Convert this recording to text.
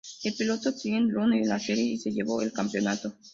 El piloto Tiny Lund la serie y se llevó el campeonato.